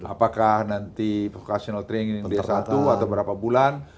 apakah nanti vocational training satu atau berapa bulan